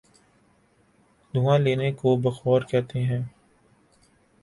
دھواں لینے کو بخور کہتے ہیں۔